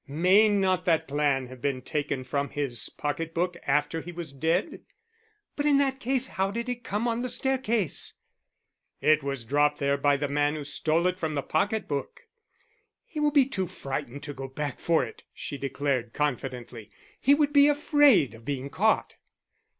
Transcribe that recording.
"May not that plan have been taken from his pocket book after he was dead?" "But in that case how did it come on the staircase?" "It was dropped there by the man who stole it from the pocket book." "He will be too frightened to go back for it," she declared confidently. "He would be afraid of being caught."